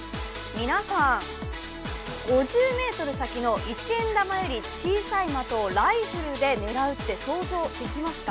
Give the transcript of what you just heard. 皆さん、５０ｍ先の一円玉より小さい的をライフルで狙うって想像できますか？